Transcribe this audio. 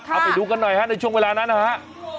เอาไปดูกันหน่อยฮะในช่วงเวลานั้นนะฮะ